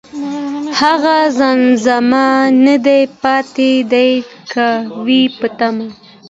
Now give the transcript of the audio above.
هغه زمزمه نه ده پاتې، ،دی که وي په تمه